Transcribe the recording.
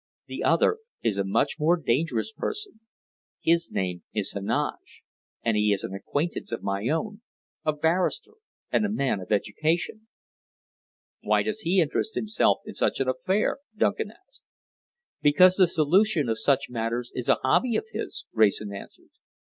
The other is a much more dangerous person. His name is Heneage, and he is an acquaintance of my own, a barrister, and a man of education." "Why does he interest himself in such an affair?" Duncan asked. "Because the solution of such matters is a hobby of his," Wrayson answered.